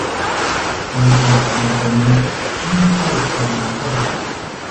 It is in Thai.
กางเกงขายาวตัวนี้ไม่ค่อยพอดีเท่าไหร่